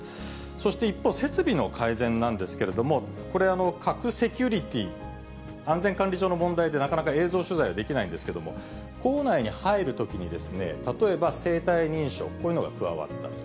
そして一方、設備の改善なんですけれども、これ、核セキュリティ、安全管理上の問題で、なかなか映像取材はできないんですけども、構内に入るときに例えば生体認証、こういうのが加わったと。